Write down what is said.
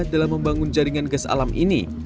dalam membangun jaringan gas alam ini